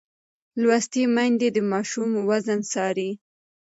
لوستې میندې د ماشوم وزن څاري.